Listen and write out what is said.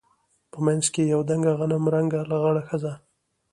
په منځ کښې يوه دنګه غنم رنګه لغړه ښځه.